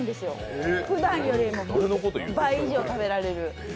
ふだんより倍以上食べられる。